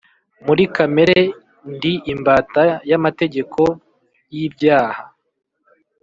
Muri kamere ndi imbata y'amategeko y'ibyaha